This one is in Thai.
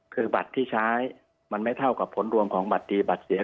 คือบัตรที่ใช้มันไม่เท่ากับผลรวมของบัตรดีบัตรเสีย